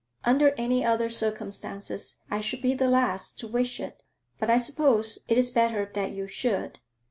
'Under any other circumstances I should be the last to wish it, but I suppose it is better that you should.'